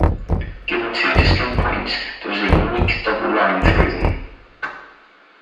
Given two distinct points, there is a unique double line through them.